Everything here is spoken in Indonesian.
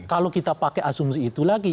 kalau kita pakai asumsi itu lagi